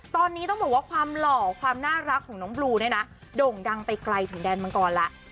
ตอนนี้ต้องบอกว่าความหล่อความน่ารักของน้องบลูเนี่ยนะโด่งดังไปไกลถึงแดนมังกรแล้ว